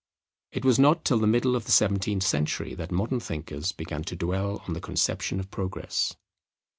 It was not till the middle of the seventeenth century that modern thinkers began to dwell on the conception of Progress.